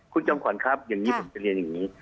คุณจอมขวัญครับอย่างนี้ผมจะเรียนอย่างนี้